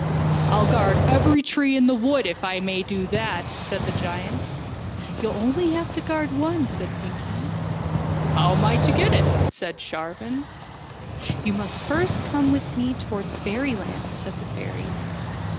" I'll guard every tree in the wood, if I may do that," said the giant. " You'll have to guard only one," said Pinkeen. " How am I to get to it? " said Sharvan. " You must first come with me towards fairy land," said the fairy.